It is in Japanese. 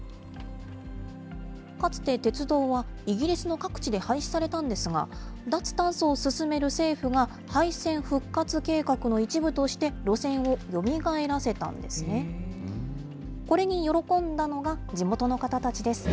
かつて鉄道はイギリスの各地で廃止されたんですが、脱炭素を進める政府が廃線復活計画の一部として、路線をよみがえらせたんですね。